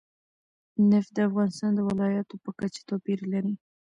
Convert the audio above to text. نفت د افغانستان د ولایاتو په کچه توپیر لري.